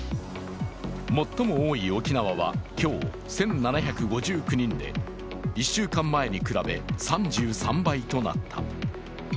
最も多い沖縄は今日、１７５９人で１週間前に比べ３３倍となった。